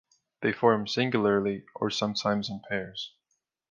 They form singularly or sometimes in pairs.